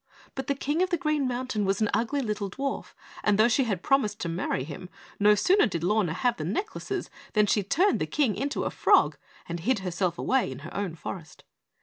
But the King of the Green Mountain was an ugly little dwarf, and though she had promised to marry him, no sooner did Lorna have the necklaces than she turned the King into a frog and hid herself away in her own forest.